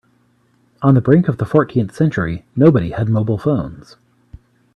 On the brink of the fourteenth century, nobody had mobile phones.